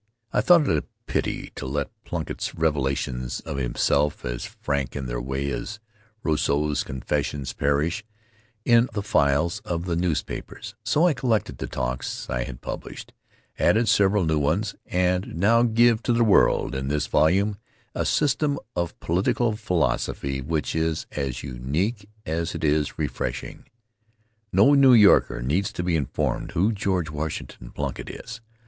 I thought it a pity to let Plunkitt's revelations of himself as frank in their way as Rousseau's Confessions perish in the files of the newspapers; so I collected the talks I had published, added several new ones, and now give to the world in this volume a system of political philosophy which is as unique as it is refreshing. No New Yorker needs to be informed who George Washington Plunkitt is.